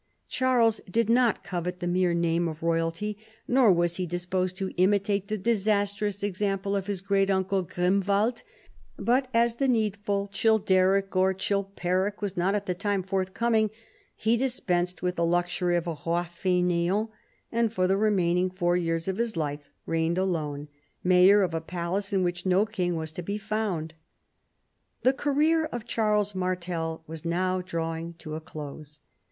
Charles did not covet tiie mere name of royalty, nor was he disposed to imitate the disastrous example of his great uncle Grimwald; but, as the needful ChildericorChilperic was not at the time forthcoming, he dispensed with the luxury of a I'oi faineant^ and for the remaining four years of his life reigned alone, mayor of a palace in which no king was to be found. The career of Charles Martel was now drawing to a close.